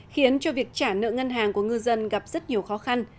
khiến cho việc trả nợ ngân hàng của ngư dân gặp rất nhiều khó khăn